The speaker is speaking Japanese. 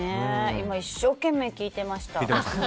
今、一生懸命聞いてました。